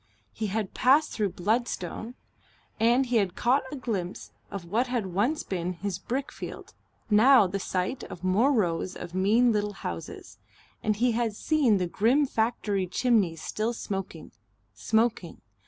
He had passed through Bludston and he had caught a glimpse of what had once been his brickfield, now the site of more rows of mean little houses, and he had seen the grim factory chimneys still smoking, smoking....